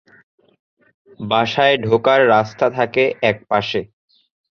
বাসায় ঢোকার রাস্তা থাকে এক পাশে।